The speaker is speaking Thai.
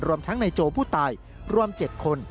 รวมทั้งในโจผู้ตายรวม๗คน